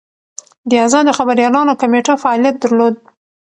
د ازادو خبریالانو کمېټه فعالیت درلود.